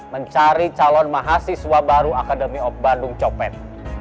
mencari calon mahasiswa baru akademi bandung copet